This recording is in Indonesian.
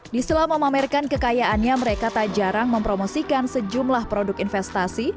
di setelah memamerkan kekayaannya mereka tak jarang mempromosikan sejumlah produk investasi